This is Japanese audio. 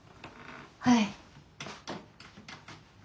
はい。